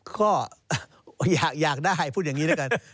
ก็อยากได้พูดอย่างนี้แล้วกัน